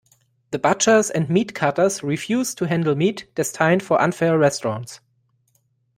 The butchers and meat cutters refused to handle meat destined for unfair restaurants.